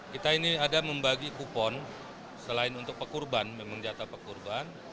kita ini ada membagi kupon selain untuk pekurban memang jatah pekurban